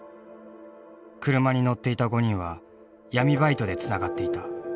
車に乗っていた５人は闇バイトでつながっていた。